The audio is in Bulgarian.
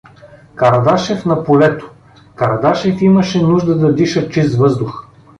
Кардашев на полето Кардашев имаше нужда да диша чист въздух.